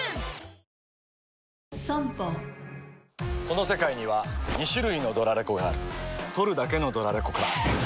この世界には２種類のドラレコがある録るだけのドラレコか・ガシャン！